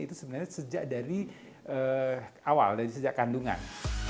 itu sebenarnya sejak dari awal dari sejak kandungan